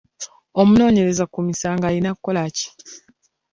Omunoonyereza ku misango alina kukola ki?